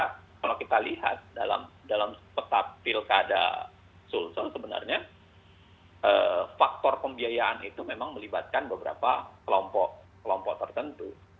kalau kita lihat dalam peta pilkada sulsel sebenarnya faktor pembiayaan itu memang melibatkan beberapa kelompok kelompok tertentu